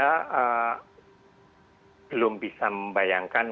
belum bisa membayangkan